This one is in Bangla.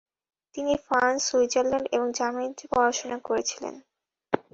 তিনি ফ্রান্স, সুইজারল্যান্ড এবং জার্মানিতে পড়াশোনা করেছিলেন।